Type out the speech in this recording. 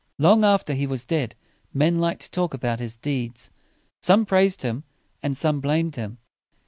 Long after he was dead, men liked to talk about his deeds. Some praised him, and some blamed him.